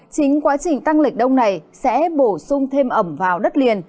chính quá trình tăng lệch đông này sẽ bổ sung thêm ẩm vào đất liền